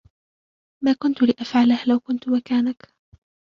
ما كنتُ لأفعله لو كنت مكانك.